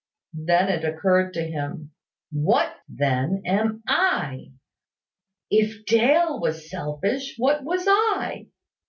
Then it occurred to him, "What, then, am I? If Dale was selfish, what was I?